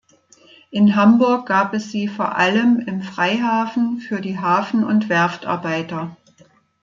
In Hamburg gab es sie vor allem im Freihafen für die Hafen- und Werftarbeiter.